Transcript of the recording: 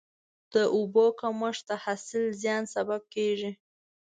د اوبو کمښت د حاصل زیان سبب کېږي.